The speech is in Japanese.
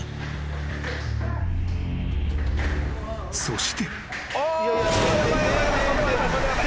［そして］